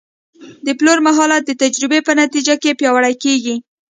د پلور مهارت د تجربې په نتیجه کې پیاوړی کېږي.